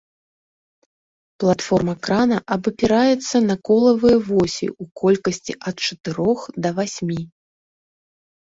Платформа крана абапіраецца на колавыя восі ў колькасці ад чатырох да васьмі.